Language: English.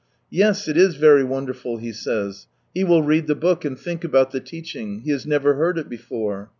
Yes, it is very wonderful, he saj s ; he will read the book, and think about the teaching ; he has never heard it before.